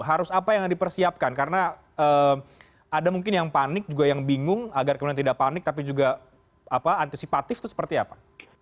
harus apa yang dipersiapkan karena ada mungkin yang panik juga yang bingung agar kemudian tidak panik tapi juga antisipatif itu seperti apa